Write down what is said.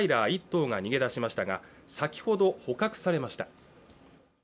１頭が逃げ出しましたが先ほど捕獲されました